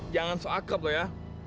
jangan seakep lo ya